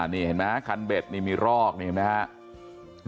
นี่เห็นไหมคันเบ็ดนี่มีรอกนี่เห็นไหมครับ